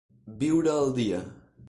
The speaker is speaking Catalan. Viure al dia.